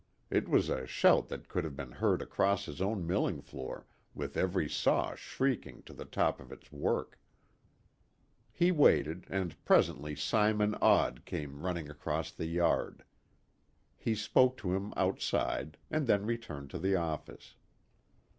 It was a shout that could have been heard across his own milling floor with every saw shrieking on the top of its work. He waited, and presently Simon Odd came hurrying across the yard. He spoke to him outside, and then returned to the office.